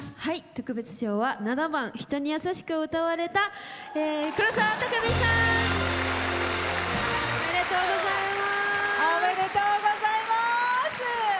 特別賞は７番「人にやさしく」を歌われたくろさわさん。おめでとうございます。